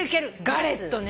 ガレットね。